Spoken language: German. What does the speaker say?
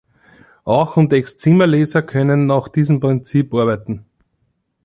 Auch und Excimerlaser können nach diesem Prinzip arbeiten.